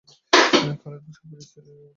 খালেদ মোশাররফের স্ত্রী রুবি মোশাররফ।